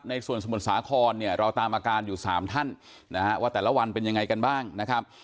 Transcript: สมุทรสาครเนี่ยเราตามอาการอยู่๓ท่านนะฮะว่าแต่ละวันเป็นยังไงกันบ้างนะครับ